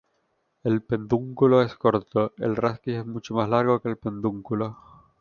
El pedúnculo es corto, el raquis es mucho más largo que el pedúnculo.